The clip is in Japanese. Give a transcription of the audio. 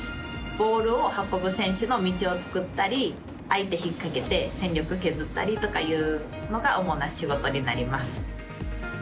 ボールを運ぶ選手の道を作ったり相手引っ掛けて戦力削ったりとかいうのが主な仕事になります。